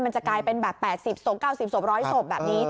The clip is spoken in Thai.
มันจะกลายเป็นแบบ๘๐ศพ๙๐ศพ๑๐๐ศพแบบนี้